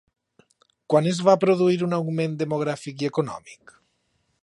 Quan es va produir un augment demogràfic i econòmic?